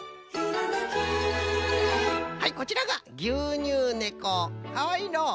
はいこちらがぎゅうにゅうねこ！かわいいのう！